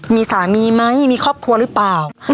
มีสามีไหมมีครอบครัวหรือเปล่า